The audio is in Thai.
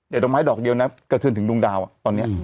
เดี๋ยวต่อไม้ดอกเดียวนะกระทืนถึงดวงดาวอ่ะตอนเนี้ย